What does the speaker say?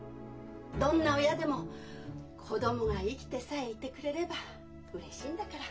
どんな親でも子供が生きてさえいてくれればうれしいんだから。